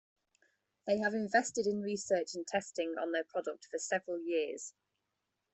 They have invested in research and testing on their product for several years.